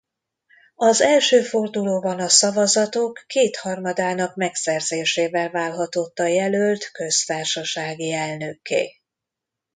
Az első fordulóban a szavazatok kétharmadának megszerzésével válhatott a jelölt köztársasági elnökké.